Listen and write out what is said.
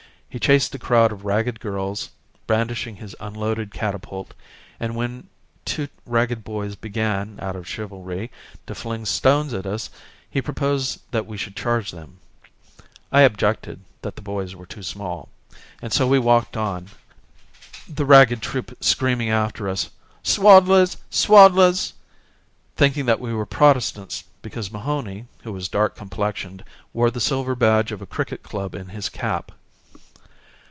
He chased a crowd of ragged girls, brandishing his unloaded catapult and, when two ragged boys began, out of chivalry, to fling stones at us, he proposed that we should charge them. I objected that the boys were too small and so we walked on, the ragged troop screaming after us: "Swaddlers! Swaddlers!" thinking that we were Protestants because Mahony, who was dark complexioned, wore the silver badge of a cricket club in his cap.